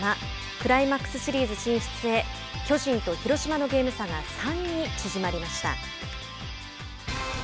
クライマックスシリーズ進出へ巨人と広島のゲーム差が３に縮まりました。